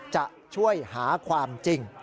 จะช่วยหาความจริง